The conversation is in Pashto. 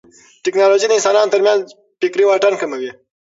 ټیکنالوژي د انسانانو ترمنځ فکري واټن کموي.